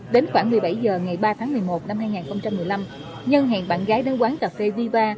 đến khoảng một mươi bảy h ngày ba tháng một mươi một năm hai nghìn một mươi năm nhân hẹn bạn gái đến quán cà phê viva